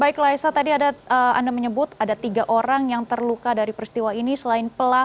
baik laisa tadi ada anda menyebut ada tiga orang yang terluka dari peristiwa ini selain pelaku